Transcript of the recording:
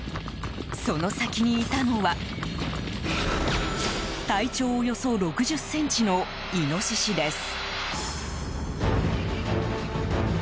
その先にいたのは、体長およそ６０ｃｍのイノシシです。